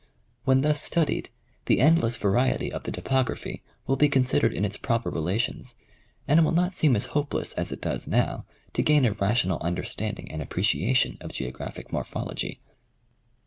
When thus studied, the endless variety of the topography will be considered in its proper relations, and it will not seem as hopeless as it does now to gain a rational understanding and appreciation of geographic morphology.